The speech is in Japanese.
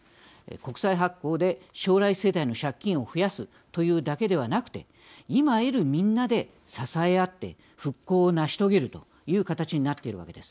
国債発行で将来世代の借金を増やすというだけではなくて今いるみんなで支え合って復興を成し遂げるという形になっているわけです。